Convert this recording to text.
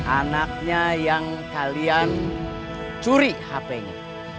anaknya yang kalian curi hpnya